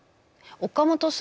岡本さん。